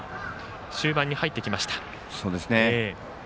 終盤に入ってきました。